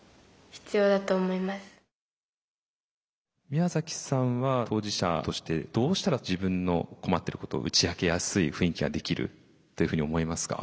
宮さんは当事者としてどうしたら自分の困ってることを打ち明けやすい雰囲気ができるというふうに思いますか？